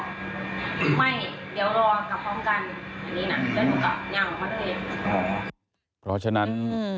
เดี๋ยวรอกลับพร้อมกัน